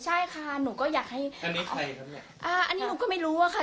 ใช่ค่ะหนูก็อยากให้อันนี้อ่าอันนี้หนูก็ไม่รู้ว่าค่ะ